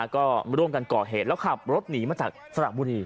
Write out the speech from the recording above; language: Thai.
ก็ร่วมกันก่อเหตุแล้วขับรถหนีมาจากสระบุรี